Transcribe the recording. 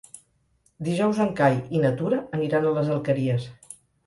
Dijous en Cai i na Tura aniran a les Alqueries.